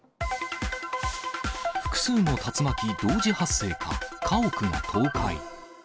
複数の竜巻、同時発生か、家屋が倒壊。